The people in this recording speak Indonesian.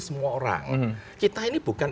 semua orang kita ini bukan